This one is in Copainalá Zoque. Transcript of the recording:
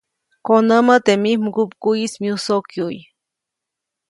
Konämä teʼ mij mgupkuʼyis myusokyuʼy.